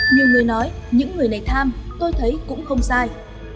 nhiều người nói những người này tham tôi thấy cũng không sai